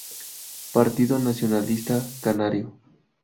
Partido Nacionalista Canario